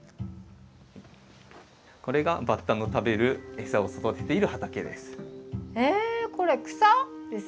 これが、バッタの食べる餌を育てている畑です。